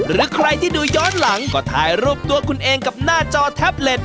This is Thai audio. หรือใครที่ดูย้อนหลังก็ถ่ายรูปตัวคุณเองกับหน้าจอแท็บเล็ต